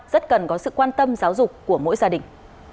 rất cần có sự quan tâm giáo dục của mỗi gia đình